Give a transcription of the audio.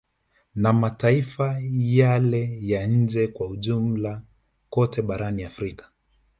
Na mataifa yale ya nje kwa ujumla kote barani Afrika